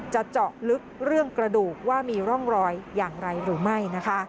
เจาะลึกเรื่องกระดูกว่ามีร่องรอยอย่างไรหรือไม่นะคะ